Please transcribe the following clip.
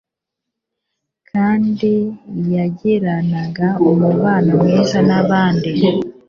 kandi yagiranaga umubano mwiza n'abandi.